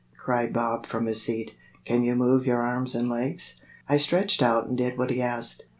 cried Bob from his seat. "Can you move your arms and legs?" I stretched out and did what he asked.